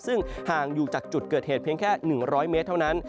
ซึ่งห่างอยู่จากจุดเกิดเหตุเพียงแค่๑๐๐เมตรเท่านั้น